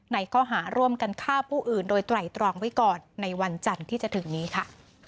ในข้อหาร่วมกันฆ่าผู้อื่นโดยไตรตรองไว้ก่อนในวันจันทร์ที่จะถึงนี้ค่ะ